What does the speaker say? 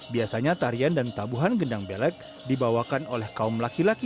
biasanya tarian dan tabuhan gendang belek dibawakan oleh kaum laki laki